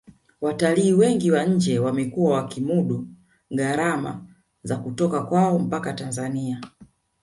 watalii wengi wa nje wamekuwa wakimudu gharama za kutoka kwao mpaka tanzania